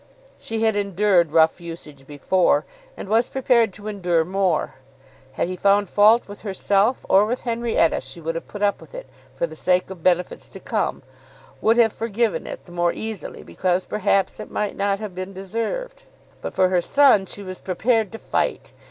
She had endured rough usage before, and was prepared to endure more. Had he found fault with herself, or with Henrietta, she would have put up with it, for the sake of benefits to come, would have forgiven it the more easily because perhaps it might not have been deserved. But for her son she was prepared to fight.